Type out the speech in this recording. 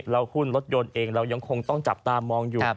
หุ้นรถยนต์เองเรายังคงต้องจับตามองอยู่